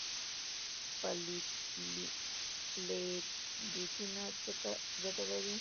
پلیټلیټونه څه ګټه لري؟